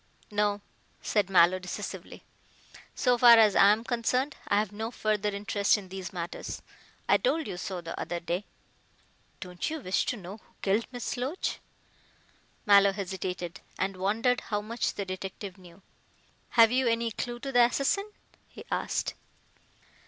"No," said Mallow decisively, "so far as I am concerned, I have no further interest in these matters. I told you so the other day." "Don't you wish to know who killed Miss Loach?" Mallow hesitated, and wondered how much the detective knew. "Have you any clue to the assassin?" he asked.